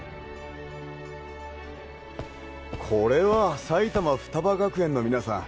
これは埼玉ふたば学園の皆さん。